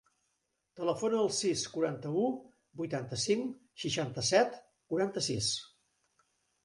Telefona al sis, quaranta-u, vuitanta-cinc, seixanta-set, quaranta-sis.